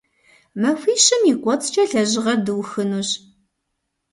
Махуищым и кӏуэцӏкӏэ лэжьыгъэр дыухынущ.